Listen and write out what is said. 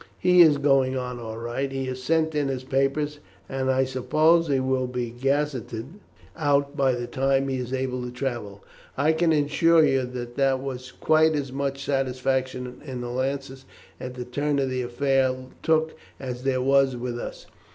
"He is going on all right. He has sent in his papers, and I suppose he will be gazetted out by the time he is able to travel. I can assure you that there was quite as much satisfaction in the Lancers at the turn the affair took as there was with us."